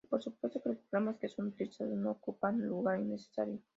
Y por supuesto, que los programas que son utilizados no ocupen lugar innecesario.